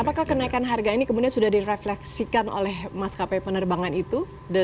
apakah kenaikan harga ini kemudian sudah direfleksikan oleh maskapai penerbangan itu